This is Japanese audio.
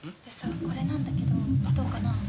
これなんだけどどうかな？